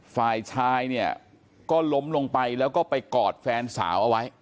ฝ่ายชายเนี่ยก็ล้มลงไปแล้วก็ไปกอดแฟนสาวเอาไว้